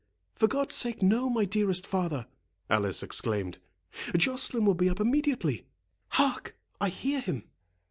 "For God's sake, no, my dearest father!" Alice exclaimed; "Joceline will be up immediately—Hark!—I hear him."